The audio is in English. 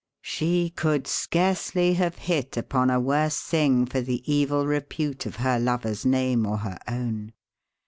She could scarcely have hit upon a worse thing for the evil repute of her lover's name or her own.